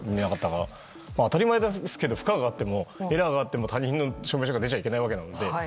当たり前ですけど負荷があってもエラーがあっても他人の証明書が出ちゃいけないわけなので。